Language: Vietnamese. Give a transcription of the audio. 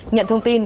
nhận thông tin